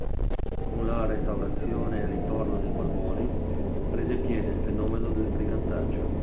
Con la Restaurazione e il ritorno dei Borboni, prese piede il fenomeno del brigantaggio.